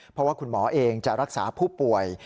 เพราะว่าคุณหมอเองจะรักษาผู้ป่วย